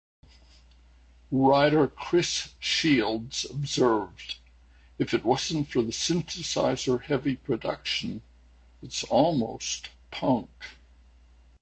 Writer Chris Shields observed: If it wasn't for the synthesizer-heavy production, it's almost punk.